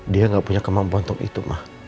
dia gak punya kemampuan untuk itu mah